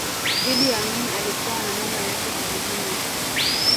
Idi Amin alikua na mama yake kijijini